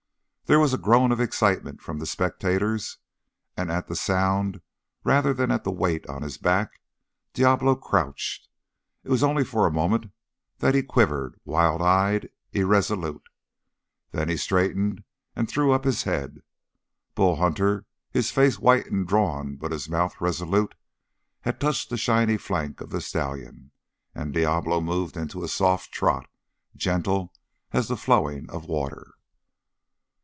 There was a groan of excitement from the spectators, and at the sound rather than at the weight of his back, Diablo crouched. It was only for a moment that he quivered, wild eyed, irresolute. Then he straightened and threw up his head. Bull Hunter, his face white and drawn but his mouth resolute, had touched the shining flank of the stallion, and Diablo moved into a soft trot, gentle as the flowing of water.